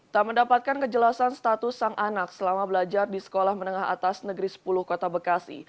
tak mendapatkan kejelasan status sang anak selama belajar di sekolah menengah atas negeri sepuluh kota bekasi